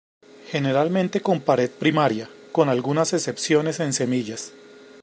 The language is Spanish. Generalmente con pared primaria, con algunas excepciones en semillas.